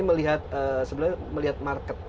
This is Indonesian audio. melihat sebenarnya melihat market